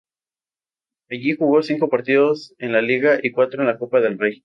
Allí jugó cinco partidos en la Liga y cuatro en la Copa del Rey.